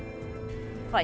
phải sách hỏi